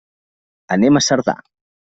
Anem a Cerdà.